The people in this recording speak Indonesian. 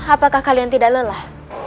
apakah kalian tidak lelah